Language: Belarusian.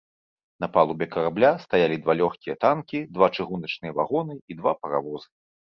На палубе карабля стаялі два лёгкія танкі, два чыгуначныя вагоны і два паравозы.